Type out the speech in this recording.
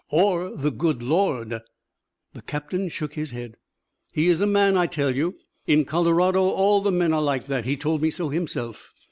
"Or the Good Lord." The captain shook his head. "He is a man, I tell you. In Colorado all the men are like that. He told me so himself.